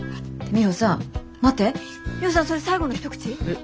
ミホさんそれ最後の一口？え？